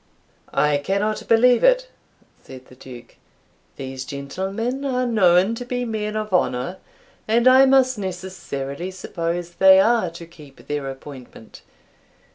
"I cannot believe it," said the Duke. "These gentlemen are known to be men of honour, and I must necessarily suppose they are to keep their appointment.